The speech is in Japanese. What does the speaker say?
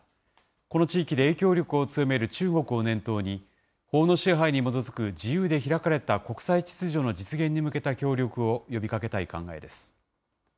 この地域で影響力を強める中国を念頭に、法の支配に基づく自由で開かれた国際秩序の実現に向けた協力を呼びかけたい考えです。